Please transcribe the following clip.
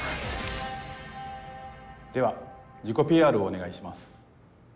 では自己ＰＲをお願いします。